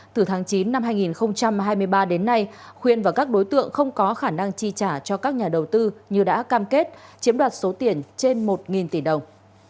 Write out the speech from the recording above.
từ tháng chín năm hai nghìn hai mươi ba đến nay khuyên và các đối tượng không có khả năng chi trả cho các nhà đầu tư như đã cam kết chiếm đoạt số tiền trên một tỷ đồng